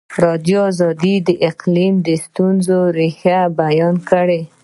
ازادي راډیو د اقلیم د ستونزو رېښه بیان کړې.